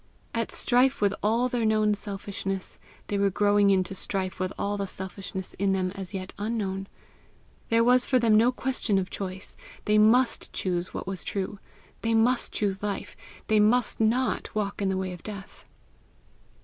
At strife with all their known selfishness, they were growing into strife with all the selfishness in them as yet unknown. There was for them no question of choice; they MUST choose what was true; they MUST choose life; they MUST NOT walk in the way of death.